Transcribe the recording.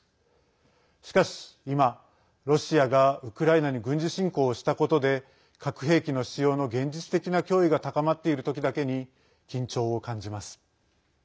しかし今、ロシアがウクライナに軍事侵攻をしたことで核兵器の使用の現実的な脅威が高まっているときだけに緊張を感じます。